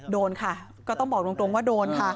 โดนค่ะก็ต้องบอกตรงว่าโดนค่ะ